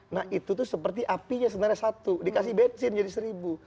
nah itu tuh seperti apinya sebenarnya satu dikasih bensin jadi seribu